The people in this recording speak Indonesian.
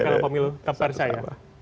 kalau mau milu tetap percaya